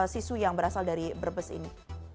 siswa yang berasal dari berbes ini